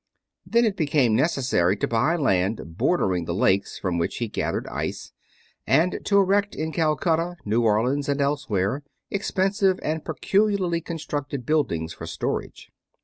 Then it became necessary to buy land bordering the lakes from which he gathered ice, and to erect in Calcutta, New Orleans, and elsewhere expensive and peculiarly constructed buildings for storage.